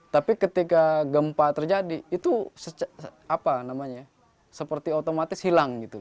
tapi ketika gempa terjadi itu seperti otomatis hilang gitu